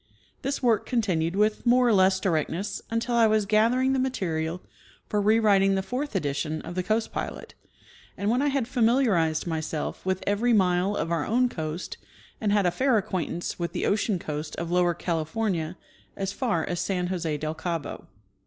This work continued with more or less directness until I was gathering the material for rewriting the fourth edition of the Coast Pilot, '^ and when I had familiarized myself with every mile of our own coast and had a fair acquaintance with the ocean coast of Lower Cali fornia as far as San Jose del Cabo.